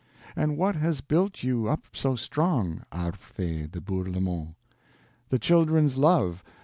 And what has built you up so strong, Arbre Fee de Bourlemont? The children's love!